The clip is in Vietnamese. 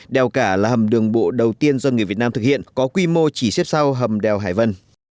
đèo cả là hầm đường bộ đầu tiên do người việt nam thực hiện có quy mô chỉ xếp sau hầm đèo hải vân